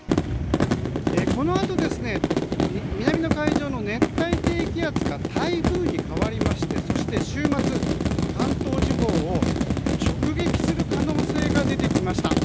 このあと南の海上の熱帯低気圧が台風に変わりまして週末、関東地方を直撃する可能性が出てきました。